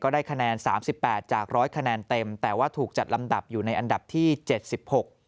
ได้คะแนนสามสิบแปดจากร้อยคะแนนเต็มแต่ว่าถูกจัดลำดับอยู่ในอันดับที่เจ็ดสิบหก